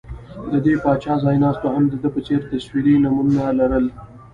د دې پاچا ځایناستو هم د ده په څېر تصویري نومونه لرل